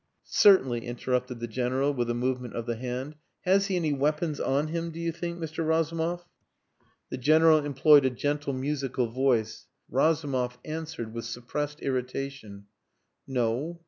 "Certainly," interrupted the General, with a movement of the hand. "Has he any weapons on him, do you think, Mr. Razumov?" The General employed a gentle musical voice. Razumov answered with suppressed irritation "No.